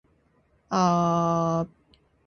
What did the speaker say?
咳がとまらない